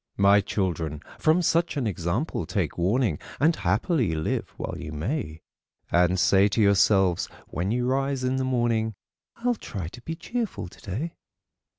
My children, from such an example take warning, And happily live while you may; And say to yourselves, when you rise in the morning, "I'll try to be cheerful today."